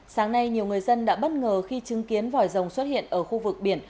sáng nay nhiều người dân đã bất ngờ khi chứng kiến vòi rồng xuất hiện ở khu vực biển